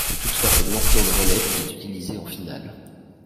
C'est toutefois comme lanceur de relève qu'il est utilisé en finale.